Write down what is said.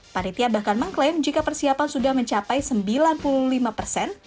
panitia bahkan mengklaim jika persiapan sudah mencapai sembilan puluh lima persen